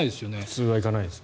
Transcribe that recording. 普通は行かないですね。